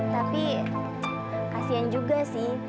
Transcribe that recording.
tapi kasihan juga sih